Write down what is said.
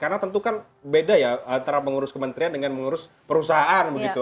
karena tentu kan beda ya antara mengurus kementerian dengan mengurus perusahaan begitu